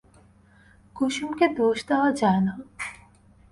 কুসুমকে দোষ দেওয়া যায় না।